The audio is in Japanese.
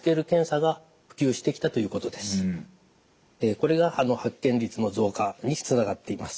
これが発見率の増加につながっています。